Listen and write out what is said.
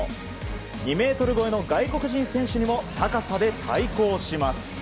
２ｍ超えの外国人選手にも高さで対抗します。